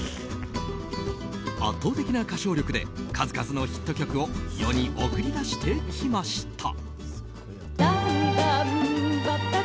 圧倒的な歌唱力で数々のヒット曲を世に送り出してきました。